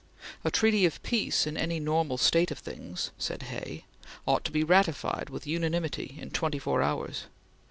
"A treaty of peace, in any normal state of things," said Hay, "ought to be ratified with unanimity in twenty four hours.